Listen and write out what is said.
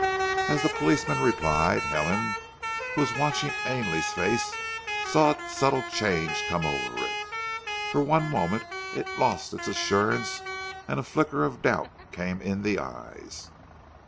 As the policeman replied, Helen, who was watching Ainley's face, saw a subtle change come over it. For one moment it lost its assurance and a flicker of doubt came in the eyes.